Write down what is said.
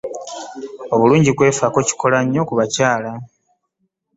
Obulungi kwefaako, kikola nnyo ku bakyala.